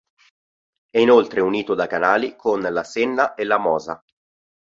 È inoltre unito da canali con la Senna e la Mosa.